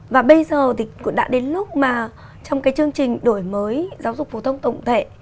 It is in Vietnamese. và bây giờ thì cũng đã đến lúc mà trong cái chương trình đổi mới giáo dục phổ thông tổng thể